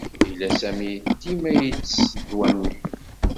Yella Sami dima itess ddwa-nni.